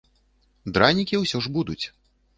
Дранікі ўсё ж будуць.